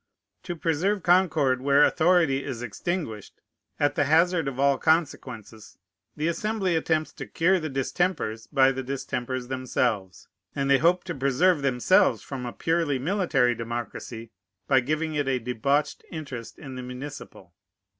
To preserve concord where authority is extinguished, at the hazard of all consequences, the Assembly attempts to cure the distempers by the distempers themselves; and they hope to preserve themselves from a purely military democracy by giving it a debauched interest in the municipal.